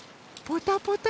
ポタポタ。